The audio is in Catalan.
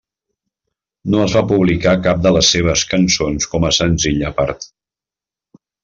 No es va publicar cap de les seves cançons com a senzill a part.